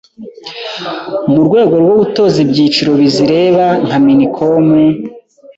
mu rwego rwo gutoza ibyiciro bizireba nka MINICOM,